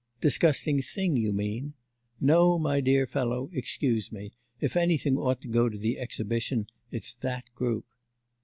'Disgusting thing, you mean? No, my dear fellow, excuse me, if anything ought to go to the exhibition, it's that group.